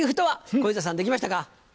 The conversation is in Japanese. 小遊三さんできましたか？